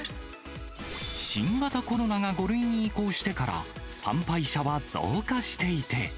新型コロナが５類に移行してから、参拝者が増加していて。